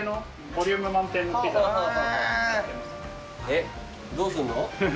えっどうすんの？